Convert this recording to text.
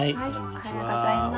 おはようございます。